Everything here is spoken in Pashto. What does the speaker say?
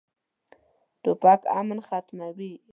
توپک امن ختموي.